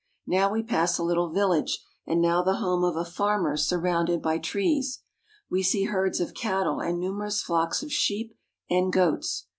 Now we pass a little village, and now the home of a farmer surrounded by trees. We see herds of cattle and numerous flocks of sheep and goats.